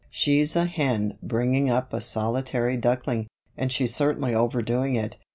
She's a hen bringing up a solitary duckling, and she's certainly overdoing it.